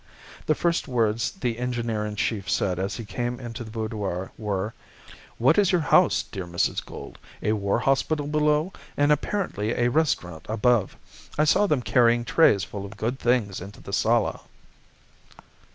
The first words the engineer in chief said as he came into the boudoir were, 'What is your house, dear Mrs. Gould? A war hospital below, and apparently a restaurant above. I saw them carrying trays full of good things into the sala.